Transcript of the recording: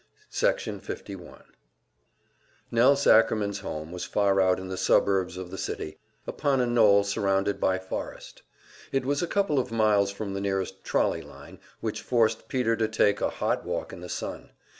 Section 51 Nelse Ackerman's home was far out in the suburbs of the city, upon a knoll surrounded by forest. It was a couple of miles from the nearest trolley line, which forced Peter to take a hot walk in the sun.